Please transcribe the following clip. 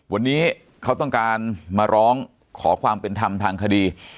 วันนี้เขาต้องการมาร้องขอความเป็นธรรมทางคดี